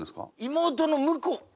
妹の婿。